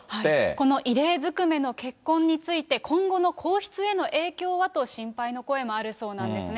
この異例ずくめの結婚について、今後の皇室への影響はと心配の声もあるそうなんですね。